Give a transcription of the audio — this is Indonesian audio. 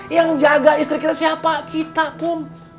yang jaga istri kita siapa kita pun